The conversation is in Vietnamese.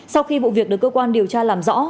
sau khi vụ việc được cơ quan điều tra làm rõ